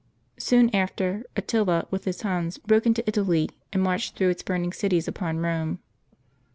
Soon after, Attila with his Huns broke into Italy, and marched through its burning cities upon Rome.